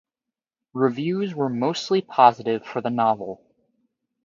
Reviews were mostly positive for the novel.